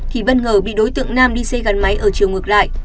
thì bất ngờ bị đối tượng nam đi xe gắn máy ở chiều ngược lại